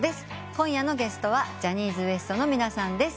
今夜のゲストはジャニーズＷＥＳＴの皆さんです。